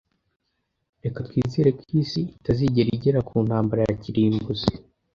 Reka twizere ko isi itazigera igera ku ntambara ya kirimbuzi